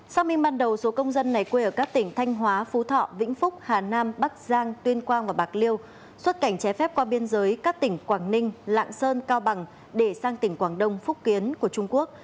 sau minh ban đầu số công dân này quê ở các tỉnh thanh hóa phú thọ vĩnh phúc hà nam bắc giang tuyên quang và bạc liêu xuất cảnh trái phép qua biên giới các tỉnh quảng ninh lạng sơn cao bằng để sang tỉnh quảng đông phúc kiến của trung quốc